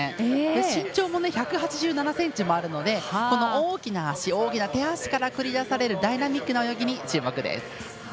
身長も１８７ｃｍもあるので大きな足、大きな手足から繰り出されるダイナミックな泳ぎに注目です。